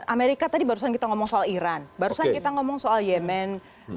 amerika tadi barusan kita ngomong soal iran barusan kita ngomong soal yemen